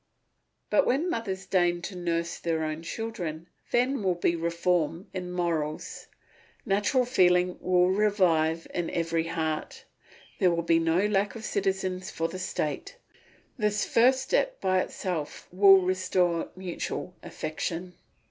But when mothers deign to nurse their own children, then will be a reform in morals; natural feeling will revive in every heart; there will be no lack of citizens for the state; this first step by itself will restore mutual affection.